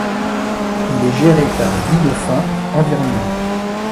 Il est géré par Guy Dauphin Environnement.